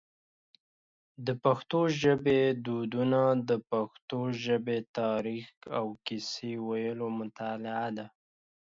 د پښتو ژبی دودونه د پښتنو د ژبی تاریخ او کیسې ویلو مطالعه ده.